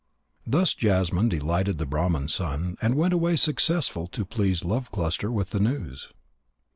Thus Jasmine delighted the Brahman's son, and went away successful to please Love cluster with the news.